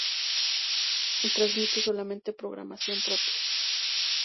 Transmite solamente programación propia.